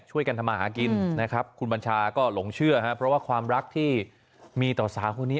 ช่วยกันทำมาหากินนะครับคุณบัญชาก็หลงเชื่อครับเพราะว่าความรักที่มีต่อสาวคนนี้